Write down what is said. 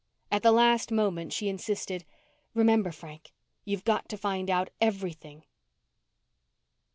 At the last moment she insisted, "Remember, Frank, you've got to find out everything!"